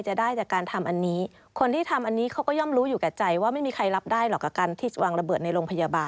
อาจารย์ก็ตอบไม่ได้หรอกนะ